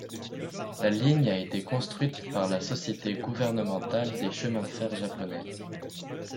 La ligne a été construite par la Société gouvernementale des chemins de fer japonais.